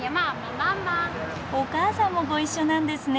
お母さんもご一緒なんですね。